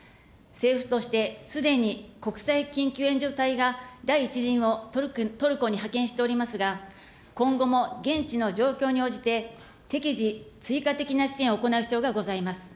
政府として、すでに国際緊急援助隊が第１陣をトルコに派遣しておりますが、今後も現地の状況に応じて、適時、追加的な支援を行う必要がございます。